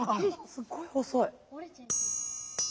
すごい細い。